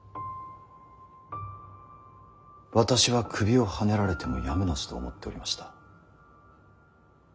私は首をはねられてもやむなしと思っておりました。